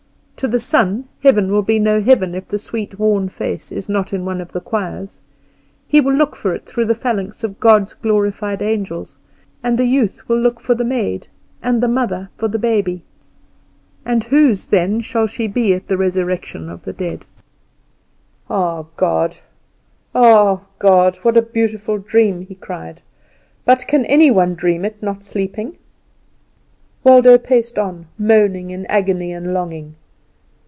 To the son heaven will be no heaven if the sweet worn face is not in one of the choirs; he will look for it through the phalanx of God's glorified angels; and the youth will look for the maid, and the mother for the baby. 'And whose then shall she be at the resurrection of the dead?'" "Ah, God! ah, God! a beautiful dream," he cried; "but can any one dream it not sleeping?" Waldo paced on, moaning in agony and longing.